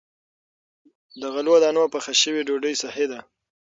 د غلو- دانو پخه شوې ډوډۍ صحي ده.